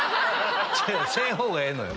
せん方がええのよ。